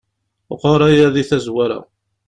Ɣer aya di tazwara.